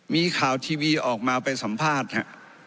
มีข่าวทีวีออกมาไปสัมภาษณ์ฮะ